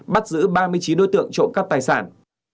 bắt giữ ba mươi chín đối tượng trộm cắp tài sản